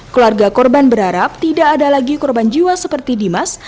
keluarga korban berharap tidak ada lagi korban jiwa seperti dimas